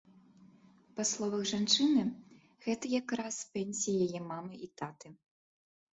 Па словах жанчыны, гэта якраз пенсіі яе мамы і таты.